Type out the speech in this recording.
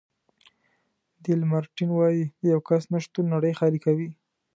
ډي لمارټین وایي د یو کس نه شتون نړۍ خالي کوي.